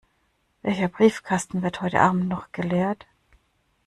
Welcher Briefkasten wird heute Abend noch geleert?